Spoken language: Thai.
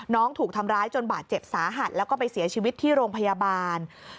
ถูกทำร้ายจนบาดเจ็บสาหัสแล้วก็ไปเสียชีวิตที่โรงพยาบาล